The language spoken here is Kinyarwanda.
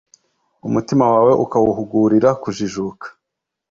umutima wawe ukawuhugurira kujijuka,